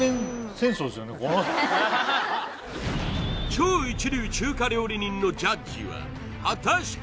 超一流中華料理人のジャッジは果たして